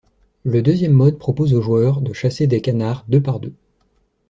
Le deuxième mode propose au joueur de chasser des canards deux par deux.